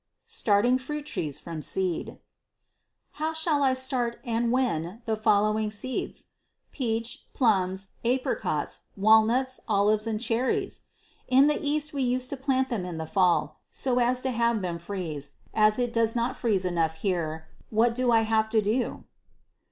Starting Fruit Trees from Seed. How shall I start, and when, the following seeds: Peach, plums, apricots, walnuts, olives and cherries? In the East we used to plant them in the fall, so as to have them freeze; as it does not freeze enough here, what do I have to do?